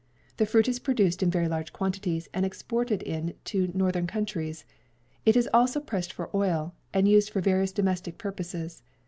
The fruit is produced in very large quantities and exported in to northern countries; it is also pressed for oil and used for various domestic purposes.